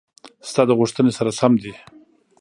ستا د غوښتنې سره سم دي: